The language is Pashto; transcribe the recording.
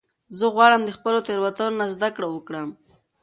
زه غواړم د خپلو تیروتنو نه زده کړه وکړم.